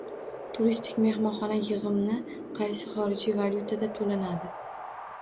Turistik mehmonxona yig’imni qaysi xorijiy valyutalarda to’lanadi?